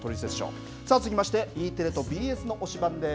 続きましてＥテレとＢＳの推しバン！です。